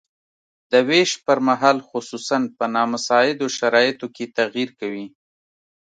د ویش پرمهال خصوصاً په نامساعدو شرایطو کې تغیر کوي.